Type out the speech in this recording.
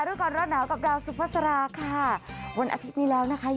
ดูก่อนร้อนหนาวกับดาวสุภาษาราค่ะวันอาทิตย์นี้แล้วนะคะ